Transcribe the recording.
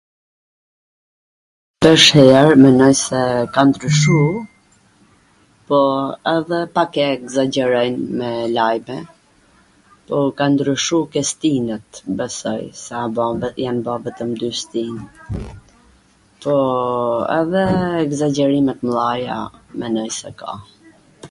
tash njw her menoj se ka ndryshu, po edhe pak e egzagjerojn me lajme, po ka ndryshu ke stinwt, besoj se jan bo vetwm dy stin, po edhe egzagjerime t mdhaja menoj se ka.